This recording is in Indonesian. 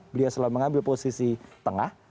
beliau selalu mengambil posisi tengah